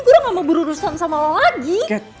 gue udah gak mau berurusan sama lo lagi